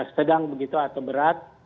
sedang begitu atau berat